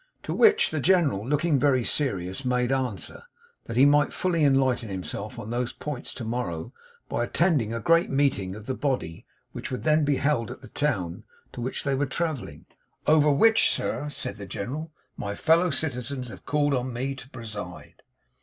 To which the General, looking very serious, made answer, that he might fully enlighten himself on those points to morrow by attending a Great Meeting of the Body, which would then be held at the town to which they were travelling; 'over which, sir,' said the General, 'my fellow citizens have called on me to preside.